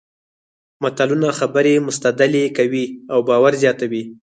متلونه خبرې مستدللې کوي او باور زیاتوي